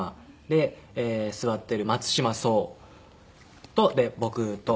で座っている松島聡。とで僕と。